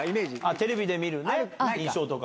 テレビで見るね、印象とか。